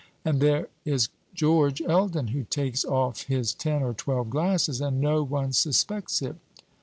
And there is George Eldon, who takes off his ten or twelve glasses, and no one suspects it."